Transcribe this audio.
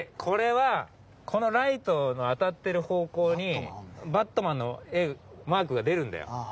これはこのライトの当たってる方向にバットマンのマークが出るんだよ。